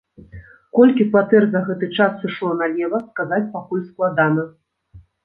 Колькі кватэр за гэты час сышло налева, сказаць пакуль складана.